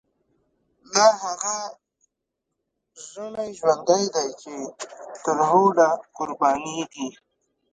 لاهغه ژڼی ژوندی دی، چی ترهوډه قربانیږی